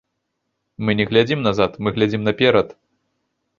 Мы не глядзім назад, мы глядзім наперад.